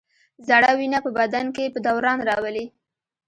زړه وینه په بدن کې په دوران راولي.